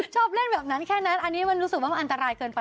ชอบเล่นแบบนั้นแค่นั้นอันนี้มันรู้สึกว่ามันอันตรายเกินไป